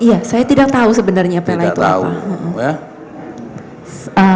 iya saya tidak tahu sebenarnya pela itu apa